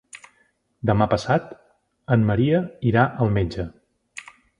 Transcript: Demà passat en Maria irà al metge.